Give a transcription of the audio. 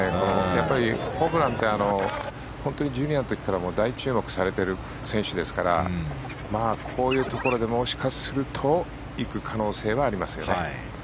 やっぱり、ホブランって本当にジュニアの時から大注目されてる選手ですからこういうところで、もしかすると行く可能性はありますよね。